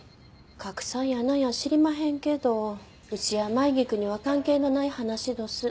拡散やなんや知りまへんけどうちや舞菊には関係のない話どす。